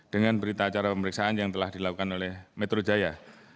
dengan berita acara pemeriksaan yang telah dilakukan oleh metro jaya